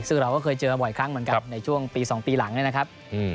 ซึ่งเราก็เคยเจอมาบ่อยครั้งเหมือนกันในช่วงปี๒ปีหลังเนี่ยนะครับ